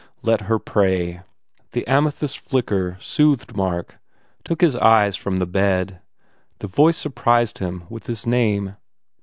Let her pray. The amethyst flicker soothed Mark, took his eyes from the bed. The voice surprised him with his name.